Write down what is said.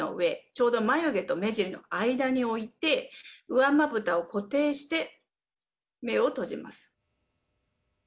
ちょうど、眉毛と目尻の間に置いて、上まぶたを固定して目を閉じます。